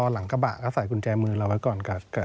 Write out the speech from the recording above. หลังกระบะก็ใส่กุญแจมือเราไว้ก่อน